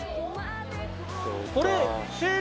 これ。